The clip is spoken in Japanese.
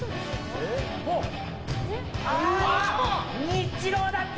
ニッチローだった！